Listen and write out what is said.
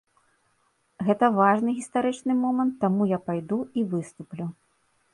Гэта важны гістарычны момант, таму я пайду і выступлю.